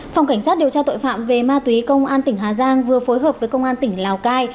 phòng cảnh sát điều tra tội phạm về ma túy công an tỉnh hà giang vừa phối hợp với công an tỉnh lào cai